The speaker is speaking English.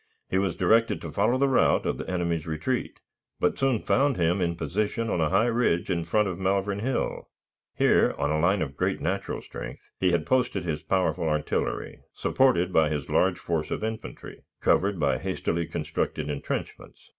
He was directed to follow the route of the enemy's retreat, but soon found him in position on a high ridge in front of Malvern Hill. Here, on a line of great natural strength, he had posted his powerful artillery, supported by his large force of infantry, covered by hastily constructed intrenchments.